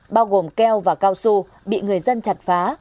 bao gồm keo và cao su bị người dân chặt phá